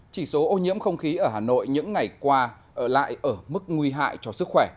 chỉ số ô nhiễm không khí ở hà nội những ngày qua lại ở mức nguy hại cho sức khỏe